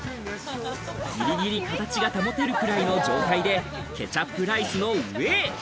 ギリギリ形が保てるぐらいの状態で、ケチャップライスの上。